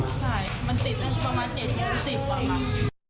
มันติดประมาณเจ็ดโมงติดประมาณ